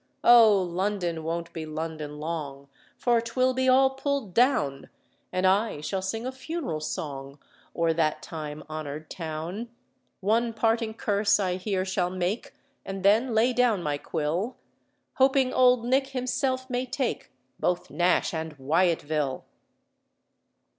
"Oh! London won't be London long, For 'twill be all pulled down, And I shall sing a funeral song O'er that time honoured town. One parting curse I here shall make, And then lay down my quill, Hoping Old Nick himself may take Both Nash and Wyatville."